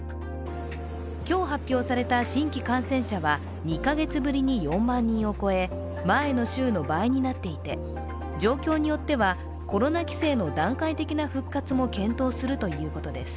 今日発表された新規感染者は２カ月ぶりに４万人を超え、前の週の倍になっていて状況によってはコロナ規制の段階的な復活も検討するということです。